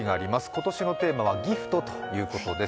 今年のテーマは「ＧＩＦＴギフト」ということです。